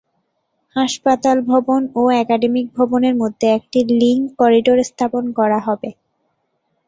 হাসপাতাল ভবন ও একাডেমিক ভবনের মধ্যে একটি লিংক করিডোর স্থাপন করা হবে।